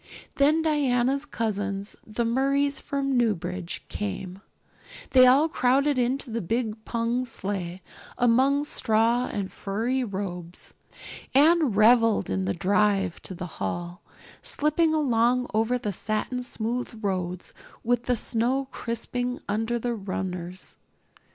Then Diana's cousins, the Murrays from Newbridge, came; they all crowded into the big pung sleigh, among straw and furry robes. Anne reveled in the drive to the hall, slipping along over the satin smooth roads with the snow crisping under the runners.